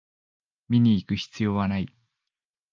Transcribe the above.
見にいく必要はない